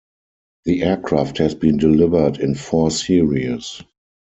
The aircraft has been delivered in four series.